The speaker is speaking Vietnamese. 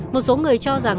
một số người cho rằng